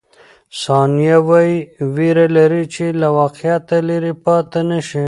ثانیه وايي، وېره لري چې له واقعیت لیرې پاتې نه شي.